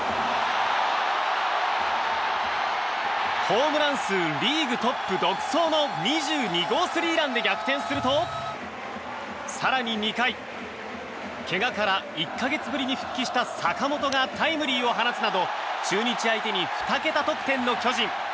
ホームラン数リーグトップ独走の２２号スリーランで逆転すると更に２回、けがから１か月ぶりに復帰した坂本がタイムリーを放つなど中日相手に２桁得点の巨人。